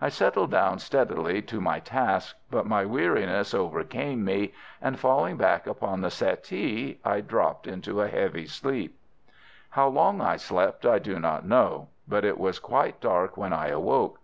I settled down steadily to my task, but my weariness overcame me and, falling back upon the settee, I dropped into a heavy sleep. How long I slept I do not know, but it was quite dark when I awoke.